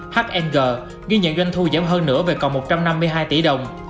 hng ghi nhận doanh thu giảm hơn nữa về còn một trăm năm mươi hai tỷ đồng